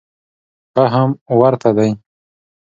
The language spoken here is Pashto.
فهم ورته دی.